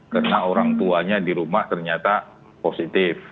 karena orang tuanya di rumah ternyata positif